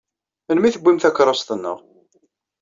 Melmi i tewwim takeṛṛust-nneɣ?